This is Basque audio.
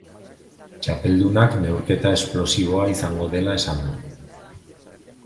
Txapeldunak neurketa esplosiboa izango dela esan du.